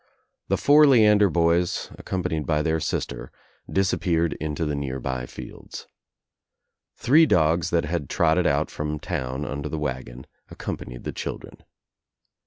The four Leander boys, accompanied by their sister, disappeared into the near by fields. Three dogs that had trotted out from town under the wagon ac companied the children.